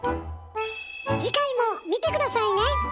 次回も見て下さいね！